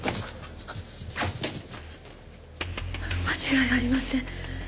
間違いありません